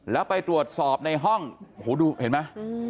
แล้วไปตรวจสอบในห้องโหดูเห็นมั้ย